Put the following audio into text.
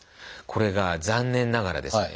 これが残念ながらですね